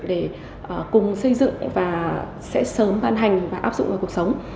để cùng xây dựng và sẽ sớm ban hành và áp dụng vào cuộc sống